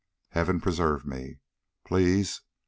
Heaven preserve me, please!